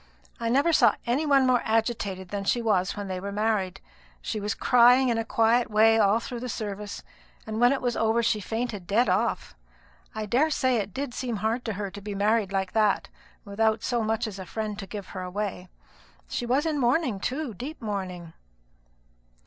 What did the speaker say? I never saw any one more agitated than she was when they were married. She was crying in a quiet way all through the service, and when it was over she fainted dead off. I daresay it did seem hard to her to be married like that, without so much as a friend to give her away. She was in mourning, too, deep mourning."